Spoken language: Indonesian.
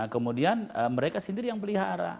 kemudian mereka sendiri yang pelihara